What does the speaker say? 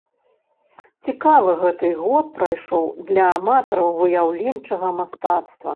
Цікава гэты год прайшоў для аматараў выяўленчага мастацтва.